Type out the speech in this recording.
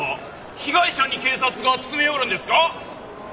被害者に警察が詰め寄るんですか？